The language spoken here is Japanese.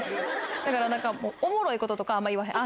だから、もうおもろいこととかあんま言わへん。